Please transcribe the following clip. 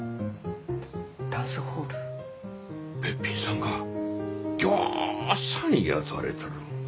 べっぴんさんがぎょうさん雇われとる。